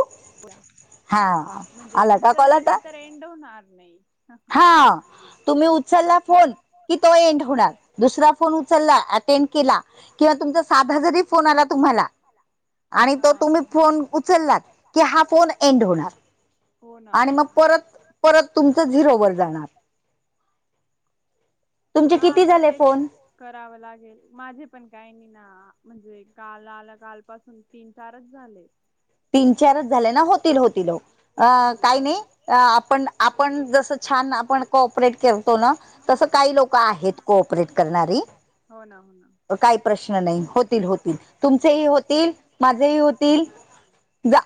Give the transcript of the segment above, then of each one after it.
[unintelligible] म्हणजे उचलला नाही तर एंड होणार नाही. हा. तुम्ही उचलला फोन कि तो एंड होणार दुसरा फोन उचलला अटेंड केला. किंवा तुमचा साधा जरी फोन आला तुम्हाला आणि तो तुम्ही फोन उचललात. की हा फोन एंड होणार ब [unintelligible] आणि मग परत परत तुमचं झिरोवर जाणार हा त ते करावं लागेल माझे पण काय नाही ना म्हणजे काल आला काल पाासून तीन चारच झाले. तीन चारच झाल्या ना होतील होतील अ काही नाही आपण आपण जस छान आपण कॉपरेट करतो ना तसं काही लोक आहेत कॉपरेट करणारी काही प्रश्न नाही होतील होतील तुमचे ही होतील माझे तुमचे ही होतील.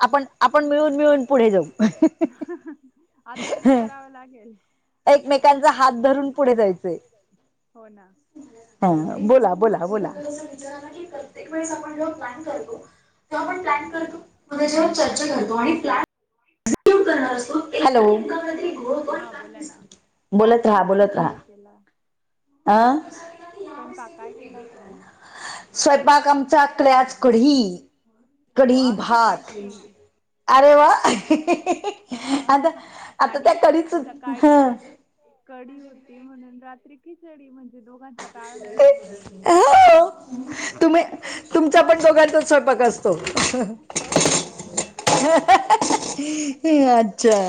आपण आपण मिळून मिळून पुढे जाऊ लागेल. एकमेकांचा हात धरून पुढे जायच. हा बोला बोला बोला वेळेस आपण जेव्हा प्लॅन करतो तेव्हा आपण प्लॅन करतो. च्यावर चर्चा करतो आणि प्लॅन हॅलो बोला ना काय तुम्ही काय स्वयंपाक केला? आं स्वयंपाक काय केलाय तुम्ही? स्वयंपाक आमच्याकल्याच कढी कढी भात अरे वा आता आता त्या कधीच सुधा ह कढी होती म्हणून रात्री खिचडी म्हणजे दोघां हो तुम्ही तुमचा पण दोघांचा स्वयंपाक असतो. ह अज अच्छा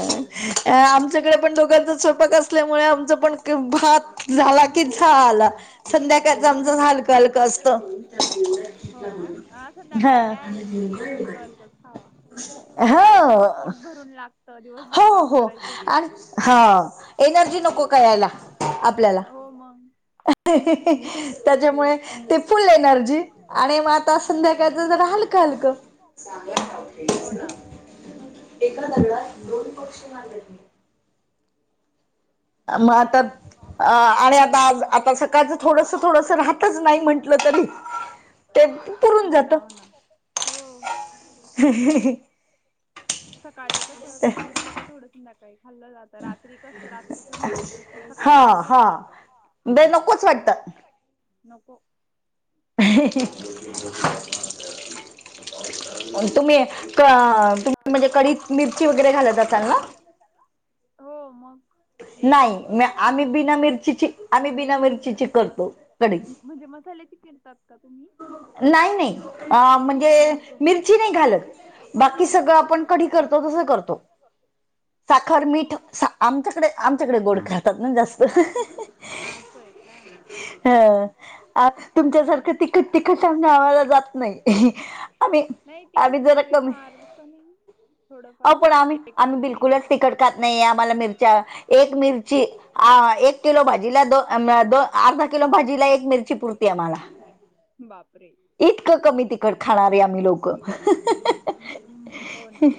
आमच्याकडे पण दोघाचं स्वयंपाक असल्यामुळे आमचं पण भात झाला की झाला संध्याकाळच आमचं हलकं हलकं असत. हो ना सध्याकाळी काय काय हलकं हलकं खावा. सकाळी कस पोट भरून लागत? हो हो आणि ह एनर्जी नको करायला. हो म त्याच्यामुळे ते फुल एनर्जी आणि मग आता संध्याकाळच जरा कल का? एका दरडात दोन पक्ष मगले आ म आणि आता आता सकाळचं थोडस थोडस राहतच नाही म्हंटलं तरी हो ना हो ना हो ह सकाळचं कसं उरलं का थोडस नका खाल्लं जात. रात्री कस रात्रीच म्हणजे दुपारी सकाळी फेकलच जात. नको. अ तुम्ही तुम म्हणजे कढी मिरची वगैरे घालत असाल ना. हो मग नाही म आम्ही बिना मिरचीची आम्ही बिना मिर्चीची करतो कड म्हणजे मसाले चिरतात का तुम्ही नाही नाही अ म्हणजे मिरची नाही घालत बाकी सगळं आपण कढी करतो तसं करतो बे साखर मीठ आमच्याकडे आमच्याकडे गोड खळात ना जास्त ह असं आहे का ह तुमच्यासारखं तिकट तिकशम आवा्हाला जात नाही आम्ही आम्ही जरा कमी बस अ पण आम्ही आम्ही बिलकुलच तखट खात नाहीये आम्हाला मिरच्या एक मिरची अ एक किलो भाजीला दो द अर्धा किलो भाजीला एक मिरची पुरती मला बाप ीणार हो ना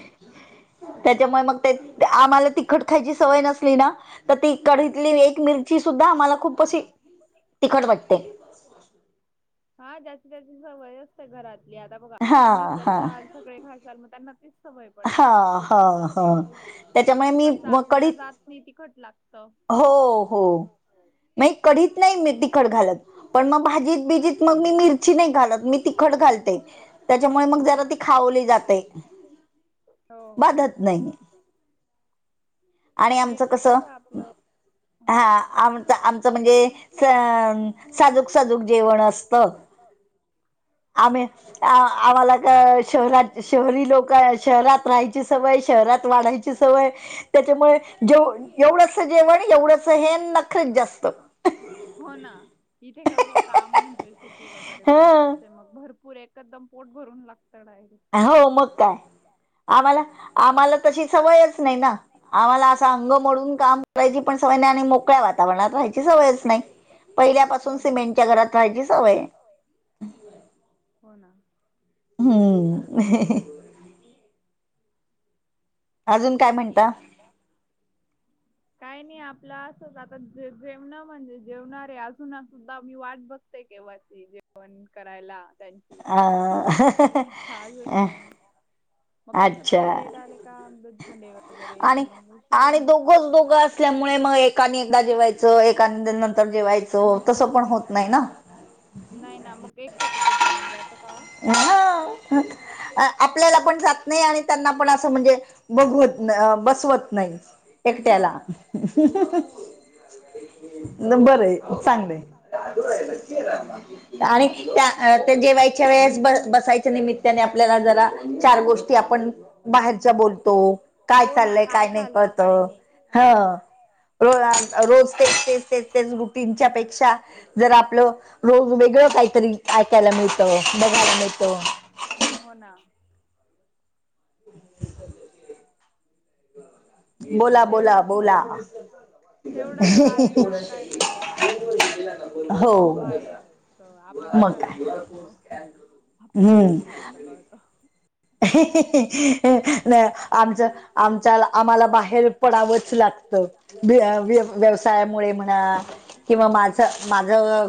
त्याच्यामुळे मग ते आम्हाला तिखट खायची सवय नसली ना तर ती कढीतली एक मिरची सुद्धा आम्हाला खूप अशी तिखट वाटते हा जास्त जास्ची सवय असते घरातली आता बघा तुम्ही करशल सगळे खायशाल मग त्यांना ते सवय पडेल मग तेच खाते दुसरीकडच आपल्याला जात नाही तिखट लागत हो मग कढीत नाही तिखड घालत पण मग भाजीत बिजीत मग मी मिरची नाही घालत मी तिखट घालते त्याच्यामुळे मग जरा ती खावली जाते वाधत नाही मिर्चीिक शाप ल हा आमच आमचं म्हणजे साजूक साजूक जेवण असतं ब आम आम्हाला का शहरात शहरी लोक शहरात राहायची सवय शहरात वाढायची सवय त्याच्यामुळेेवढ जेवण एवढंच हे नखरच जास्त हो ना इथे कस काम म्हणजे शेती वगैरे हा ग भरपूर एकदम पोट भरून लागतंड आहे हो मग काय आम्हाला आम्हाला तशी सवयच नाही ना आम्हाला असा अंग मोडून काम करायची पण सवयने आणि मोकळ्या वातावरणात राहायची सवयच नाही पहिल्यापासून सिमेंटच्या घरात राहायची सवय हो ना हम्म अजून काय म्हत काही नाही आपलं असंच आता जेवणं म्हणजे जेवणार आहे अजून सुद्धा मी वाट बघ केव्हा जेवण करायला त्यांची आणि खज होल नाही मग कस होते लेट आले का आणि आणि दोघंच दोघं असल्यामुळे मग एका आणि एकदा जेवायच एंद नंतर जेवायचं तसं पण होत नाही ना नाही ना मग एकटाक होतं जेवण जात का ह आ आपल्याला पण जात नाही आणि त्यांना पण असं म्हणजे बघवत बसवत नाही एकट्याला बरं चांगलं आणि त्या जेवा्हाय वेळेस बसायच्या निमित्ताने आपल्याला जरा चार गोष्टी आपण बाहेरच्या बोलतो काय चाललंय काय नाही कळत ह ह र रोज तेच तेच तेच तेच गुटींच्या पेक्षा जर आपलं रोज वेगळं काहीतरी ऐकायला मिळतं बघायला मिळत हो ना [inaudible] तेवढच मज तेवढंच आले का काय झालं काय नाही बाहेर तर आपण तर घरातच असतो आपल्याला काय बाहेरचं कळत आमच्या आमच्या आम्हाला बाहेर पडावंच लागत व्यवसायामुळे म्हणा किंवा माझं माझ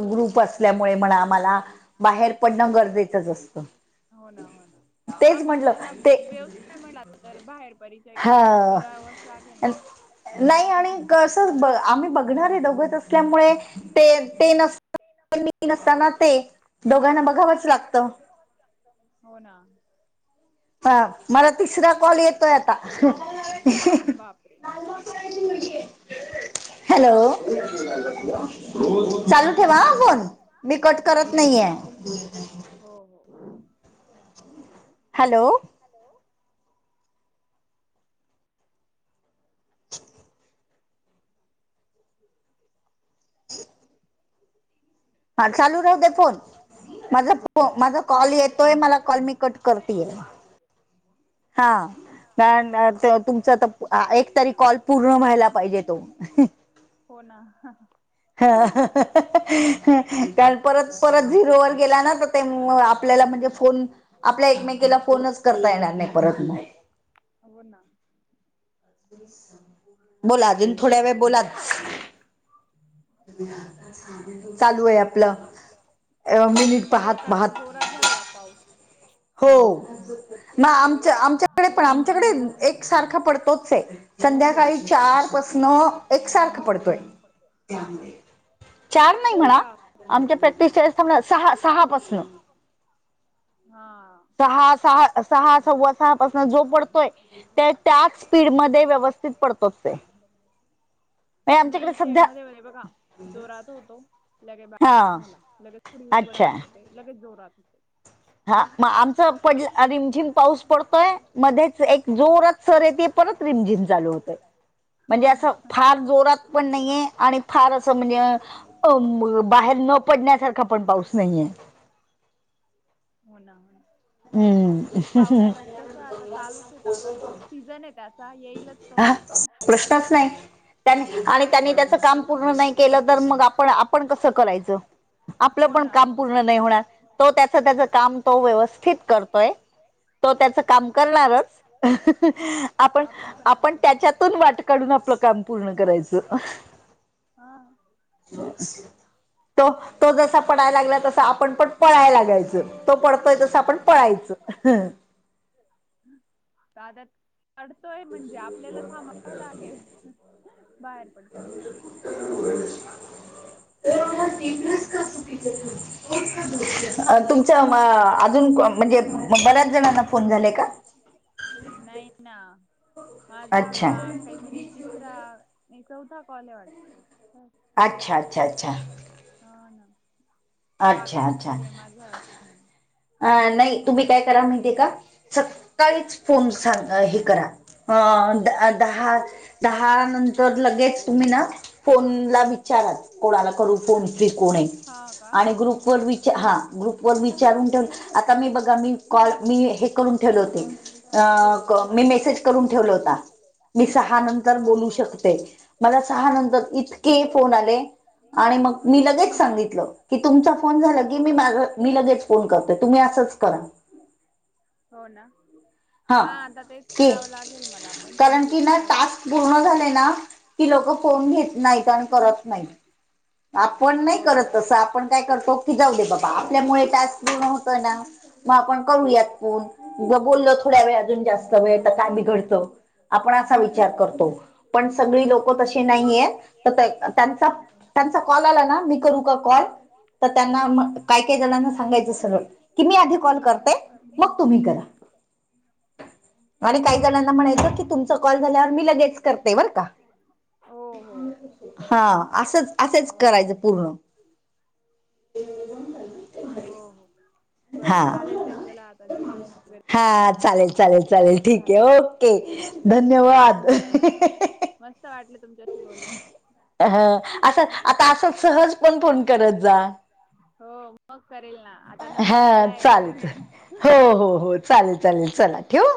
ग्रुप असल्यामुळे म्हणा आम्हाला बाहेर पडणं गरजेचंच असतं हो ना हो ना हा मग आता व्यवसाय म्हला तर बाहेर परिचय करत करावा नाही आणिस ब आम्ही बघणारे दघत असल्यामुळे ते ते नसत म नसताना ते दोघांना बघावंच लागतं हो ना हा मला तिसरा कॉल येतोय आता हॅलो चालू ठेवा फोन मी कट करत नाहीये हो हो हॅलो हॅलो [inaudible] [inaudible] हा चालू राह दे फोन माझा माझा कॉल येतोय मला कॉल मी कट करते हा तुमचा एक तरी कॉल पूर्ण व्हायला पाहिजे तो हो ना हा कारण परत परत झिरोवरर गेला ना तर ते आपल्याला म्हणजे फोन आपल्या एकमेकीला फोनच करता येणार नाही परत मग हो ना बोला अजून थोड्या वेळ बोलात चालू आहे आपलं एव मनट पाहात पाहात हो म आमच्या आमच्याकडे पण आमच्याकडे. एक सारखा पडतोच आहे संध्याकाळी चार पासन. एकसारख पडतोय. आमच्या प्रॅक्टिसच्या म्ह सहा सहा पाासून. हा, सहा सहा सहा सव्वा सहा पासून जो पडतोय. ते त्या स्पीडमध्ये व्यवस्थित पडतो तेच हाय. नाही इथे मध्ये मध्ये बघा जोरात होतो लगे बा''--'' बारीक झाला लगे थोडी उघड आणवते लगच जोरात होतेय. हा मग आमच पड रिमझिम पाऊस पडतोय मध्येच एक जोरात. सर ये ते परत रिमझिम चालू होते. चालेल. म्हणजे असं फार जोरात पण नाहीये आणि फार असं म्हणजे. अ बाहेर न पडण्यासारखा पण पाऊस नाहीये. हो ना हो पाऊस कसा आता चालूच आहे आता सीझन आहे. त्याचा येईलच तो काय करत. आणि त्यांनी त्याचं काम पूर्ण नाही केलं तर मग आपण आपण कसं करायचं. आपलं पण काम पूर्ण नाही होणार तो त्याच त्याचं काम तो व्यवस्थित करतोय. तो त्याच काम करणारच आप ''--'' आपण त्याच्यातून वाट काढून आपलं काम पूर्ण करायचं. हा, तो तो जसा पडायला लागला तसा आपण पण पळायला लागायचं. तो पडतोय तसं आपण पळायचं. तादात. पडतोय म्हणजे आपल्याला थांबावं लागेल बाहेर पडताना. तर मला तस का चुकीच. तुमच म अजून म्हणजे बऱ्याच जणांना फोन झाले का? नाही ना माझा हा. काहीतरी तिसरा नाही चौथा कॉल ये वाटत. अच्छा अच्छा अच्छा. हा ना बाकीच त आहे माझ्या अजून. अ नाही तुम्ही काय करा माहितीय का सकाळीच फोन सांग हे करा. अ द दहा दहा नंतर लगेच तुम्ही ना. फोनला विचारात कोणाला करू फोन फ कोण आहे आणि ग्रुप वि''--'' हा ग्रुप वर विचारून ठेव. आता मी बघा मी कॉल मी हे करून ठेवल होते. मी मेसेज करून ठेवला होता मी सहा नंतर बोलू शकते. मला सहा नंतर इतके फोन आले. आणि मग मी लगेच सांगितलं की तुमचा फोन झाला की मी माझ मी लगेच फोन करते. तुम्ही असंच करा. हो ना. हा आता तेच करावं लागेल मला पण कमप्लीट करायला. गुहागर आहे ना की लोक फोन घेत नाहीत आणि करत नाहीत. आपण नाही करत तसं आपण काय करतो की जाऊ दे बाबा आपल्यामुळे टास्क पूर्ण होतय ना. मग आपण करूयात फोन ज बोलल थोड्या वेळ अजून जास्त वेळ तर काय बिघडतं. आपण असा विचार करतो पण सगळी लोक तशी नाहीयेत. तर त्यांचा त्यांचा कॉल आला ना मी करू का कॉल? तर त्यांना काय काही जणांना सांगायचं सरळ की मी आधी कॉल करते. मग तुम्ही करा. [inaudible] [unintelligible] आणि काही जणांना म्हणायचं की तुमच कॉल झाल्यावर मी लगेच करतेय बर का. हा असंच असेच करायचं पूर्ण. तेण हो हो. बरं चालेल ताई चला आता जेवण वगैरे करावं लागेल झालं आपल की धन्यवाद. मस्त वाटलं तुमच्याशी बोलून. ह असं आता असं सहज पण फोन करत जा. हो मग करेल ना. हा चालेल हो हो हो चालेल चालेल चला ठेवू.